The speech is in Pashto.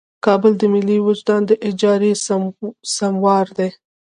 کابل د ملي وجدان د اجارې سموار دی.